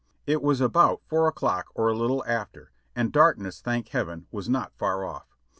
It was about four o'clock or a little after, and darkness, thank Heaven, was not far off.